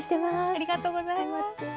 ありがとうございます。